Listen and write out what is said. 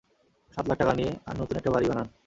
সাত লাখ টাকা নিয়ে আর নতুন একটা বাড়ি বানান।